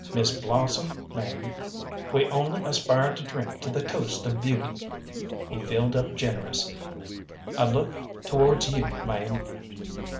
Miss Blossom, ma'am, we only aspire to drink to the toast of beauty." He filled up generous. "I look towards you, ma'am."